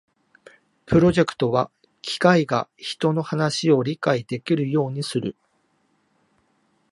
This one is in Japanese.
プロジェクトは機械が人の話を理解できるようにする